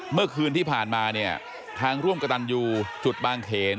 เมื่อคืนที่ผ่านมาเนี่ยทางร่วมกระตันยูจุดบางเขน